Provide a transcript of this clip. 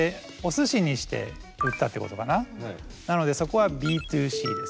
なのでそこはＢ２Ｃですね。